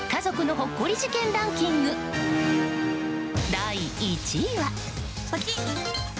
第１位は。